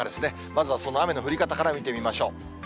まずはその雨の降り方から見てみましょう。